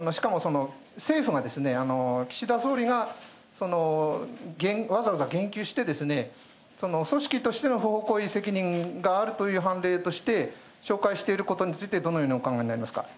しかしこの２つの判例を、しかも政府が岸田総理がわざわざ言及して、組織としての不法行為責任があるというはんれいとして、紹介していることについて、どのようにお考えになりますか。